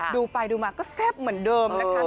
ดูไปดูมาก็แซ่บเหมือนเดิมนะคะ